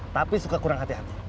tapi suka kurang hati hati